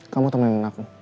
kamu temenin aku